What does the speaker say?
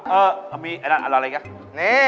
เออเอาอันนี้เอาอันนั้นอะไรกัน